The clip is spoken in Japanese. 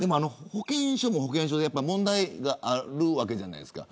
保険証も保険証で問題があるじゃないですか。